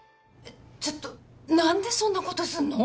ちょっと何でそんなことすんの？